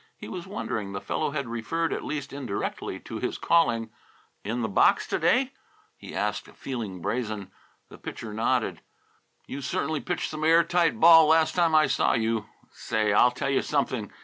He was wondering; the fellow had referred at least indirectly to his calling. "In the box, to day?" he asked, feeling brazen. The Pitcher nodded. "You certainly pitched some air tight ball last time I saw you. Say, I'll tell you something.